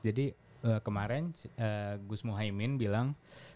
jadi kemarin gus muhaymin bilang